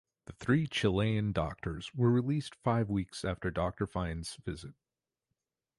The three Chilean doctors were released five weeks after Doctor Fine's visit.